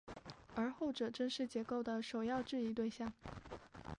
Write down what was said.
而后者正是解构的首要质疑对象。